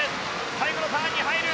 最後のターンに入る。